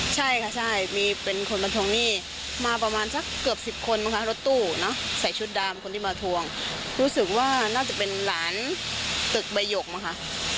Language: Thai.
ใช่ค่ะใช่มีเป็นคนมาทวงหนี้มาประมาณสักเกือบ๑๐คนมั้งคะรถตู้เนอะใส่ชุดดำคนที่มาทวงรู้สึกว่าน่าจะเป็นหลานตึกใบหยกมั้งค่ะ